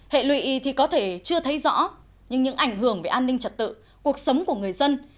hệ lụy thì có thể chưa thấy rõ nhưng những ảnh hưởng về an ninh trật tự cuộc sống của người dân